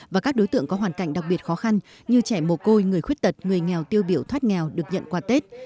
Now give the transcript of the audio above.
và các đối tượng có hoàn cảnh đặc biệt khó khăn như trẻ mồ côi người khuyết tật người nghèo tiêu biểu thoát nghèo được nhận quà tết